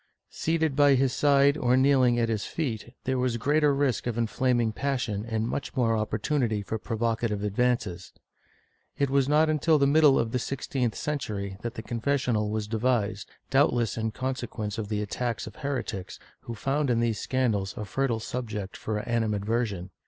Seated by his side or kneeling at his feet, there was greater risk of inflaming passion and much more oppor tunity for provocative advances. It was not until the middle of the sixteenth century that the confessional was devised, doubtless in consequence of the attacks of heretics, who found in these scandals a fertile subject of animadversion.